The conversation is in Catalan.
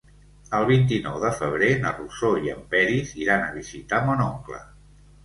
El vint-i-nou de febrer na Rosó i en Peris iran a visitar mon oncle.